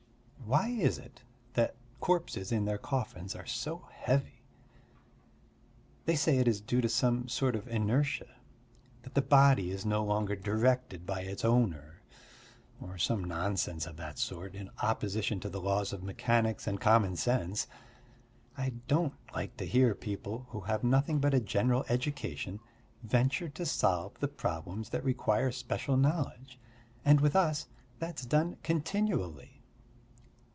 Why is it that corpses in their coffins are so heavy? They say it is due to some sort of inertia, that the body is no longer directed by its owner ... or some nonsense of that sort, in opposition to the laws of mechanics and common sense. I don't like to hear people who have nothing but a general education venture to solve the problems that require special knowledge; and with us that's done continually.